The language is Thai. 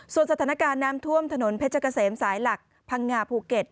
ส่วนสถานการณ์น้ำท่วมถนนเพชรเกษมสายหลักพังงาภูเก็ต